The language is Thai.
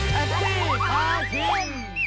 แท็กซี่พาชิม